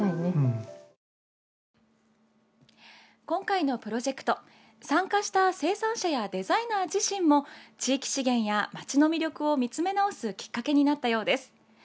今回のプロジェクト参加した生産者やデザイナー自身も地域資源や町の魅力を見直すきっかけになったようです。